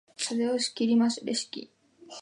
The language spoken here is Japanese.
袖を切ります、レシキ。